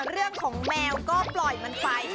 เรื่องของแมวก็ปล่อยมันไป